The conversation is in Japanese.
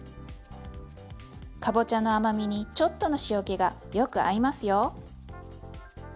かぼちゃの甘みにちょっとの塩気がよく合いますよ。